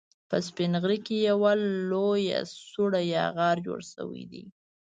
په سپين غره کې يوه لويه سوړه يا غار جوړ شوی دی